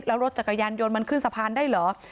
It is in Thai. แล้วรถจักรยานยนต์มันขึ้นสะพานได้เหรอ